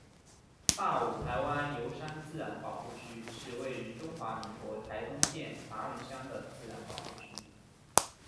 大武台湾油杉自然保护区是位于中华民国台东县达仁乡的自然保护区。